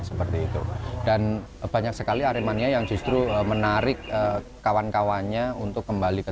seperti itu dan banyak sekali aremania yang justru menarik kawan kawannya untuk kembali ke